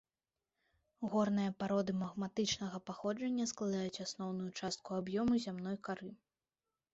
Горныя пароды магматычнага паходжання складаюць асноўную частку аб'ёму зямной кары.